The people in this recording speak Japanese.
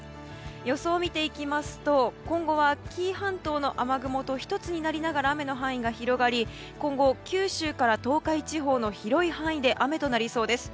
予想を見ていきますと今後は紀伊半島の雨雲と１つになりながら雨の範囲が広がり今後、九州から東海地方の広い範囲で雨となりそうです。